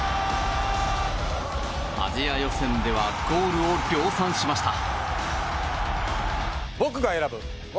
アジア予選ではゴールを量産しました。